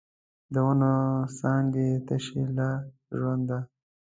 د ونو څانګې تشې له ژونده